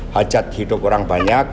hajat hidup orang banyak